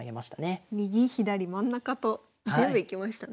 右左真ん中と全部いきましたね。